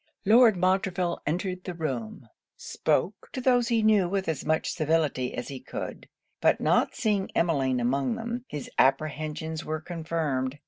Lord Montreville entered the room; spoke to those he knew with as much civility as he could; but not seeing Emmeline among them, his apprehensions were confirmed.